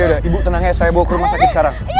ya udah ibu tenang ya saya bawa ke rumah sakit sekarang